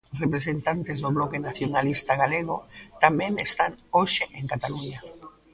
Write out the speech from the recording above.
Representantes do Bloque Nacionalista Galego tamén están hoxe en Cataluña.